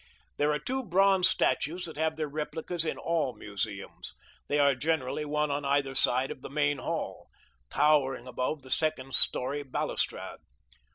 There are two bronze statues that have their replicas in all museums. They are generally one on either side of the main hall, towering above the second story balustrade.